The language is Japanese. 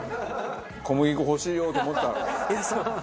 小麦粉欲しいよと思ってたの？